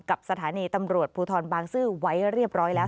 กับสถานีตำรวจภูทรบางซื่อไว้เรียบร้อยแล้ว